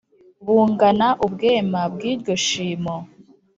Bungana ubwema bw'iryo shimo.